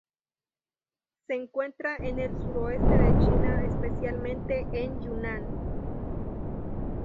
Se encuentra en el suroeste de China, especialmente en Yunnan.